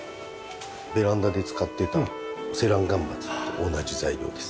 ベランダで使ってたセランガンバツって同じ材料です。